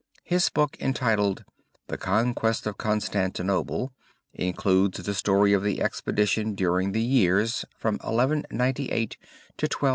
His book entitled "The Conquest of Constantinople," includes the story of the expedition during the years from 1198 to 1207.